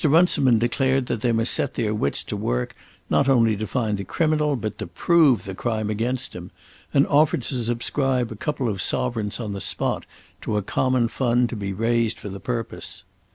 Runciman declared that they must set their wits to work not only to find the criminal but to prove the crime against him, and offered to subscribe a couple of sovereigns on the spot to a common fund to be raised for the purpose.